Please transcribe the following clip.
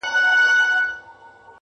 چي له بې ميني ژونده.